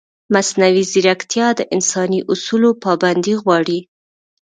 مصنوعي ځیرکتیا د انساني اصولو پابندي غواړي.